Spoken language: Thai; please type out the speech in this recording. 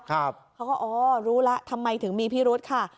เขาก็อ๋อรู้แล้วทำไมถึงมีพิรุธค่ะ